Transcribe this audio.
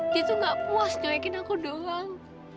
dia tuh gak puas naikin aku doang